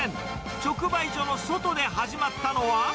直売所の外で始まったのは。